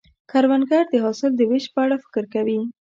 کروندګر د حاصل د ویش په اړه فکر کوي